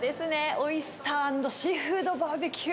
オイスター＆シーフードバーベキュー。